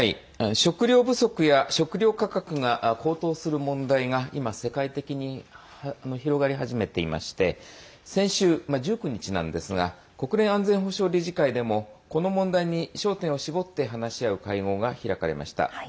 食糧不足や食糧価格が高騰する問題が今、世界的に広がり始めていまして先週、１９日なんですが国連安全保障理事会でもこの問題に焦点を絞って話し合う会合が開かれました。